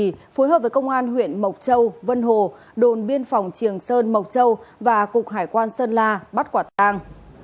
phối hợp với công an huyện mộc châu vân hồ đồn biên phòng triềng sơn mộc châu và cục hải quan sơn la bắt quả tang